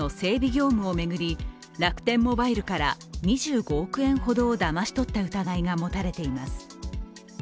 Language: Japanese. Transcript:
業務を巡り、楽天モバイルから２５億円ほどをだまし取った疑いが持たれています。